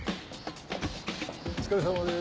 お疲れさまです。